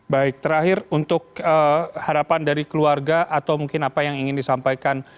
baik terakhir untuk harapan dari keluarga atau mungkin apa yang ingin disampaikan